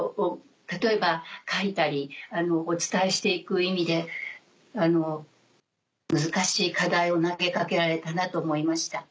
例えば書いたりお伝えして行く意味で難しい課題を投げ掛けられたなと思いました。